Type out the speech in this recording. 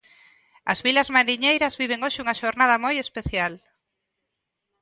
As vilas mariñeiras viven hoxe unha xornada moi especial.